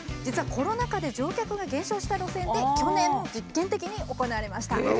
実はコロナ禍で乗客が減少した路線で去年実験的に行われました。